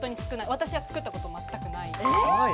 私は作ったことまったくない。